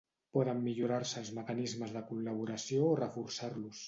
poden millorar-se els mecanismes de col·laboració o reforçar-los